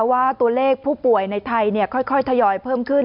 ว่าตัวเลขผู้ป่วยในไทยค่อยทยอยเพิ่มขึ้น